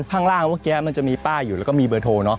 ข้างล่างเมื่อกี้มันจะมีป้ายอยู่แล้วก็มีเบอร์โทรเนาะ